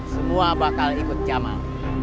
semua bakal ikut jamal